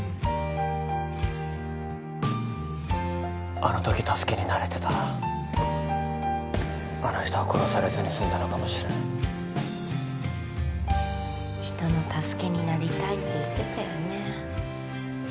あのとき助けになれてたらあの人は殺されずにすんだのかもしれない人の助けになりたいって言ってたよね